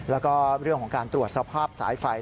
แล้วก็เรื่องของการตรวจสภาพสายไฟ